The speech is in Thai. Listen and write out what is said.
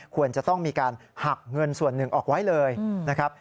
ควรจะต้องมีการหักเงินส่วนหนึ่งออกไว้เลยนะครับ